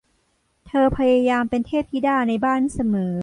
เธอพยายามเป็นเทพธิดาในบ้านเสมอ